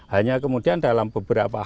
hanya kemudian dalam beberapa